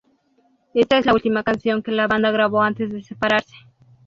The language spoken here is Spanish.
Esta es la última canción que la banda grabó antes de separarse.